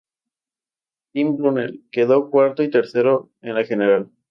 Team Brunel quedó cuarto y tercero en la general.